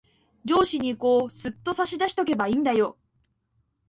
上司にこう、すっと差し出しとけばいんだよ。